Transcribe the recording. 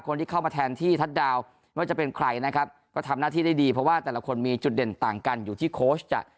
คนที่เข้ามาแทนที่ทัชดาลนะครับก็ทำหน้าที่ได้ดีเพราะว่าแต่ละคนมีจุดเด่นต่างกันอยู่ที่โค้ช